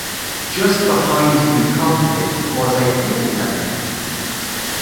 Just behind the cockpit was a fuel tank.